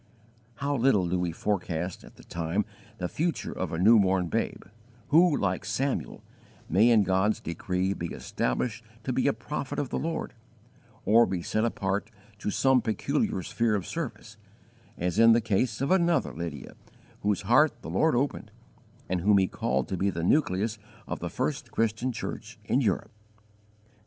How little do we forecast at the time the future of a new born babe who, like Samuel, may in God's decree be established to be a prophet of the Lord, or be set apart to some peculiar sphere of service, as in the case of another Lydia, whose heart the Lord opened and whom He called to be the nucleus of the first Christian church in Europe.